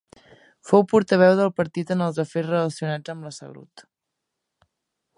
Fou portaveu del partit en els afers relacionats amb la salut.